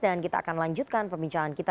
kita akan lanjutkan perbincangan kita